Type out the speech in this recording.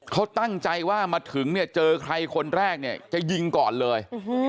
เขาตั้งใจว่ามาถึงเจอใครคนแรกจะยิงก่อนเลย